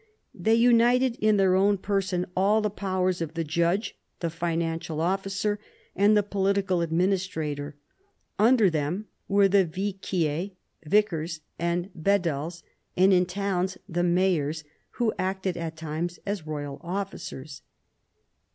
They united in their own person all the powers of the judge, the financial official, and the political administrator. Under them were the viguiers (vicars) and bedells, and in towns the mayors also acted at times as royal officers.